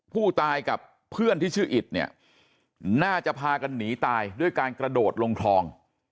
ผู้ตายกับเพื่อนที่ชื่ออิตเนี่ยน่าจะพากันหนีตายด้วยการกระโดดลงคลอง